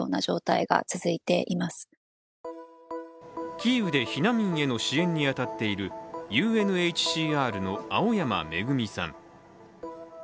キーウで避難民への支援に当たっているＵＮＨＣＲの青山愛さん。